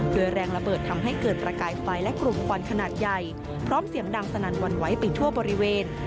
โดยแรงระเบิดทำให้เกิดประกายไฟและกลุ่มควันขนาดใหญ่พร้อมเสียงดังสนั่นหวั่นไหวไปทั่วบริเวณ